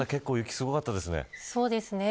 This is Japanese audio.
結構、雪すごかったですね。